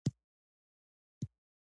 مایعاتو کموالی د تمرکز کمښت رامنځته کوي.